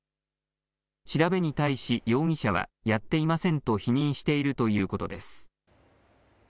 調べに対し容疑者はやっていませんと否認しているということです。